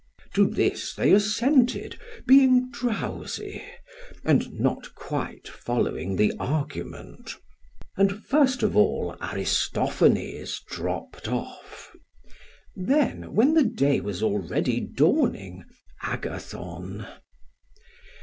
To this they assented, being drowsy, and not quite following the argument. And first of all Aristophanes dropped off, then, when the day was already dawning, Agathon.